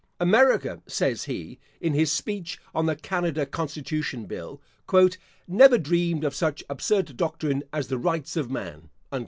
"America," says he (in his speech on the Canada Constitution bill), "never dreamed of such absurd doctrine as the Rights of Man."